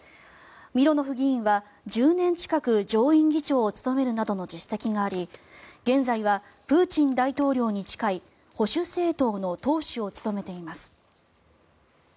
ミロノフ議員は１０年近く上院議長を務めるなどの実績があり現在はプーチン大統領に近い保守政党の党首を務めています。